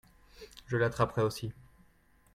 Je l'attraperai aussi.